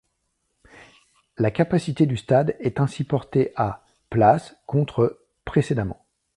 La capacité du stade est ainsi portée à places contre précédemment.